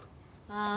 ああ。